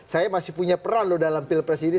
saya masih punya peran loh dalam pilpres ini